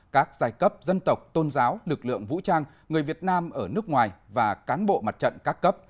các giai cấp dân tộc tôn giáo lực lượng vũ trang người việt nam ở nước ngoài và cán bộ mặt trận các cấp